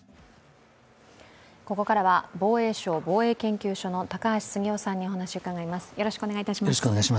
ここからは防衛省防衛研究所の高橋杉雄さんにお話を伺います。